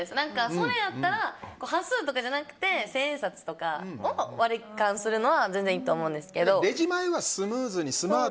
それやったら端数じゃなくて千円札とか割り勘するのは全然いいと思うんですけど。